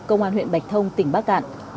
công an huyện bạch thông tỉnh bắc cản